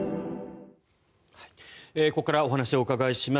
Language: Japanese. ここからお話をお伺いします。